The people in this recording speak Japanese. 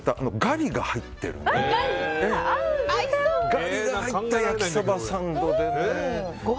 ガリが入った焼サバサンドでね。